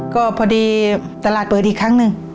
ก็พอดีตลาดเปิดอีกครั้งหนึ่ง